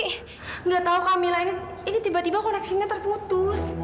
enggak tahu kamila ini tiba tiba koneksinya terputus